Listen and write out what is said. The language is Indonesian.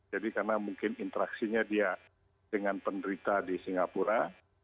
jadi karena mungkin interaksinya dia dengan penderita di singapura